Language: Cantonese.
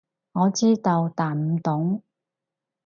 我知道，但唔懂